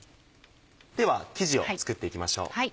では生地を作っていきましょう。